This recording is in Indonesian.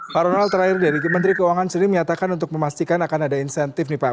pak ronald terakhir dari menteri keuangan sendiri menyatakan untuk memastikan akan ada insentif nih pak